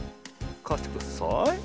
かしてください。